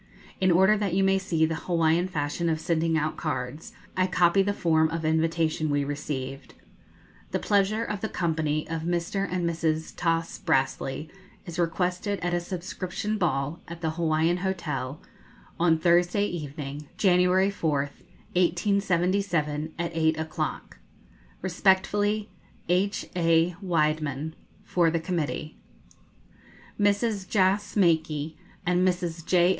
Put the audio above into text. In order that you may see the Hawaiian fashion of sending out cards, I copy the form of invitation we received: The pleasure of the company of Mr. and Mrs. Thos. Brassey is requested at a Subscription Ball, at the Hawaiian Hotel, ON THURSDAY EVENING, JANUARY 4, 1877, AT 8 O'CLOCK. Respectfully, H.A. Widemann, FOR THE COMMITTEE. _Mrs. Jas. Makee and Mrs. J.